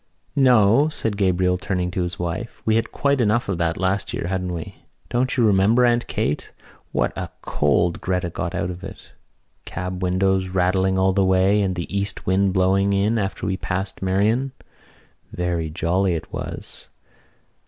"No," said Gabriel, turning to his wife, "we had quite enough of that last year, hadn't we? Don't you remember, Aunt Kate, what a cold Gretta got out of it? Cab windows rattling all the way, and the east wind blowing in after we passed Merrion. Very jolly it was.